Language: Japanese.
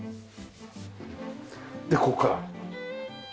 でここから。